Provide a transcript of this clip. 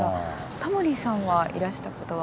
タモリさんはいらしたことは？